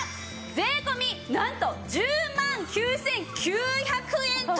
税込なんと１０万９９００円となります！